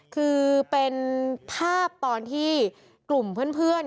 คือเป็นภาพตอนที่กลุ่มเพื่อน